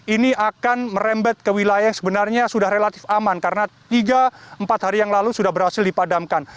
ini akan merembet ke wilayah yang sebenarnya sudah relatif aman karena tiga empat hari yang lalu sudah berhasil dipadamkan